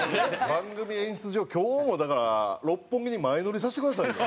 番組演出上今日もだから六本木に前乗りさせてくださいよ。